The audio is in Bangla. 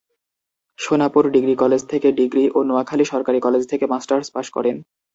সোনাপুর ডিগ্রি কলেজ থেকে ডিগ্রী ও নোয়াখালী সরকারি কলেজ থেকে মাস্টার্স পাশ করেন।